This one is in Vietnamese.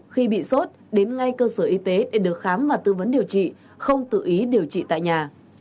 khi bị sốt đến ngay cơ sở y tế để được khám và tư vấn điều trị không tự ý điều trị tại nhà